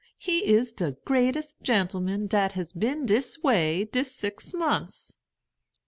He is de greatest gentleman dat has been dis way dis six months."